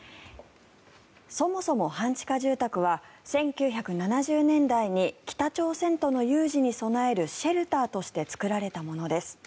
そもそも半地下住宅は１９７０年代に北朝鮮との有事に備えるシェルターとして作られたものです。